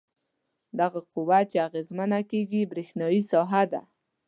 دغه قوه چې اغیزمنه کیږي برېښنايي ساحه ده.